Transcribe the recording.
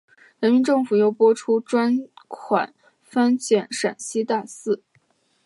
人民政府又拨出专款翻建陕西大寺。